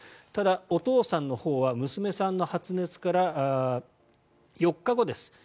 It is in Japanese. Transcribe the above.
ただ、お父さんのほうは娘さんの発熱から４日後です。